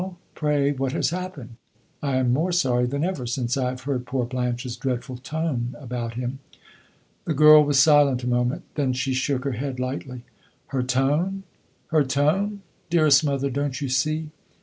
Pray, what has happened? I am more sorry than ever, since I have heard poor Blanche's dreadful tone about him." The girl was silent a moment; then she shook her head, lightly. "Her tone her tone? Dearest mother, don't you see?